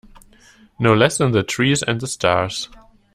No less than the trees and the stars